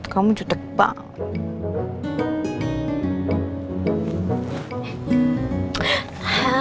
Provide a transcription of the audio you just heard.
kamu cudek banget